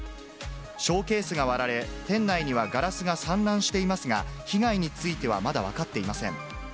ショーケースが割られ、店内にはガラスが散乱していますが、被害についてはまだ分かっていません。